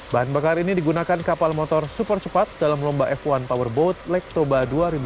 bahan bakar ini digunakan kapal motor super cepat dalam lomba f satu powerboat lake toba dua ribu dua puluh